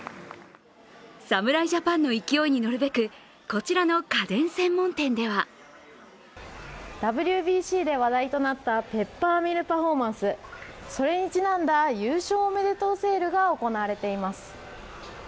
侍ジャパンの勢いに乗るべくこちらの家電専門店ではＷＢＣで話題となったペッパーミルパフォーマンス、それにちなんだ優勝おめでとうセールが行われています。